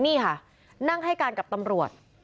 นี่ค่ะนั่งให้การกับตำรวจ